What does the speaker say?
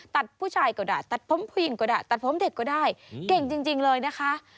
ผู้ชายก็ได้ตัดผมผู้หญิงก็ได้ตัดผมเด็กก็ได้เก่งจริงเลยนะคะ